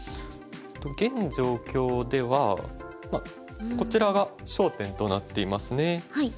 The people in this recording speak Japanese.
現状況ではこちらが焦点となっていますね。